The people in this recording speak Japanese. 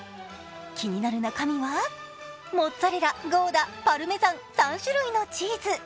気になる中身は、モッツァレラ、ゴーダ、パルメザン３種類のチーズ。